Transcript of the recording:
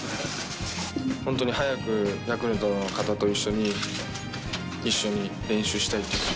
本当に早くヤクルトの方と一緒に一緒に練習したいです。